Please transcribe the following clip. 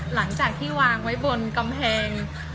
หลังจากที่วางไว้บนกำแพง